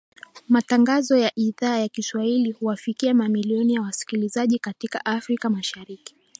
Matangazo ya Idhaa ya Kiswahili huwafikia mamilioni ya wasikilizaji katika Afrika Mashariki